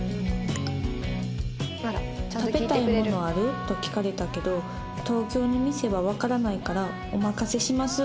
「食べたいものある？」と聞かれたけど「東京の店はわからないからお任せします！」